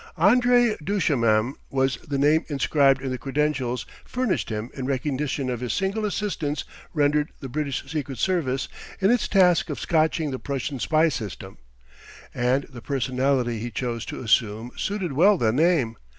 André Duchemin was the name inscribed in the credentials furnished him in recognition of signal assistance rendered the British Secret Service in its task of scotching the Prussian spy system. And the personality he chose to assume suited well the name.